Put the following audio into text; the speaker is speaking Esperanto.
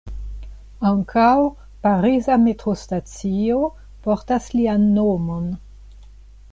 Ankaŭ pariza metrostacio portas lian nomon.